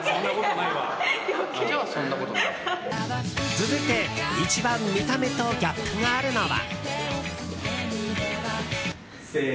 続いて、一番見た目とギャップがあるのは。